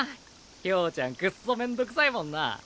兵ちゃんクッソめんどくさいもんな。